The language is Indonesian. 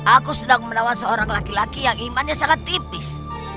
aku sedang melawan seorang laki laki yang imannya sangat tipis